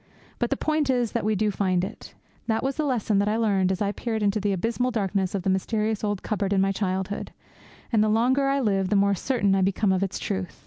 But the point is that we do find it. That was the lesson that I learned as I peered into the abysmal darkness of the mysterious old cupboard in my childhood, and the longer I live the more certain I become of its truth.